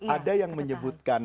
ada yang menyebutkan